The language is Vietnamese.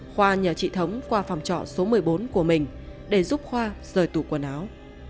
khoa nhờ chị thống qua phòng trọ số một mươi bốn của mình để giúp khoa rời tủ quần áo